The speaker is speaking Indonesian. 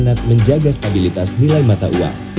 dan berkemanat menjaga stabilitas nilai mata uang